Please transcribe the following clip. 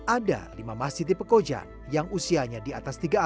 ada lima masjid di pekojan yang usianya di atas tiga tahun